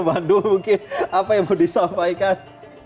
bandung mungkin apa yang mau disampaikan